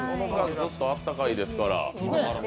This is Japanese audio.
ずっとあったかいですから。